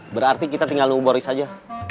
berarti kita tinggal lumori saja